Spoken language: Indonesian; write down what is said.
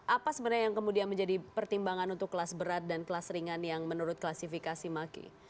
apa sebenarnya yang kemudian menjadi pertimbangan untuk kelas berat dan kelas ringan yang menurut klasifikasi maki